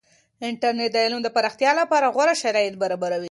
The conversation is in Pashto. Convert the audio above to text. انټرنیټ د علم د پراختیا لپاره غوره شرایط برابروي.